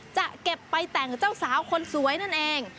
จะเก็บไปแต่งเจ้าสาวคนสวยนั่นเอง